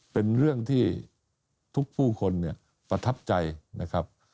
เป็นเรื่องที่ทุกผู้คนเนี่ยประทับใจนะครับ